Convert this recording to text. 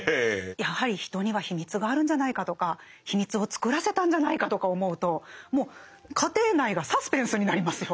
やはり人には秘密があるんじゃないかとか秘密を作らせたんじゃないかとか思うともう家庭内がサスペンスになりますよ。